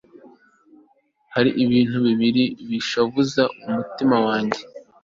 hari ibintu bibiri bishavuza umutima wanjye